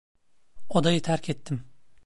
Odayı terk ettim.